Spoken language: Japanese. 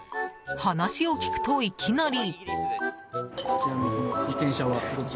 話を聞くと、いきなり。